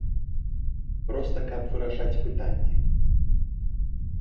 Проста каб вырашаць пытанні.